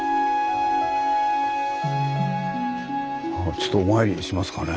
ちょっとお参りしますかね。